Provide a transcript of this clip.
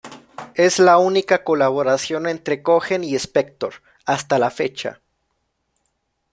Es la única colaboración entre Cohen y Spector hasta la fecha.